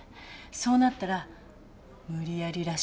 そうなったら無理やりらしいよ。